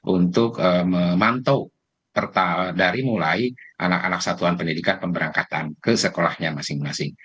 untuk memantau dari mulai anak anak satuan pendidikan pemberangkatan ke sekolahnya masing masing